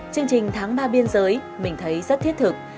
chương trình tháng ba biên giới mình thấy rất thiết thực